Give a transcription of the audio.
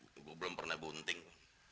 gue belum pernah bunting